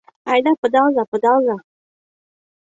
Айда пыдалза, пыдалза!